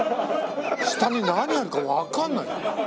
下に何あるかわかんないのに。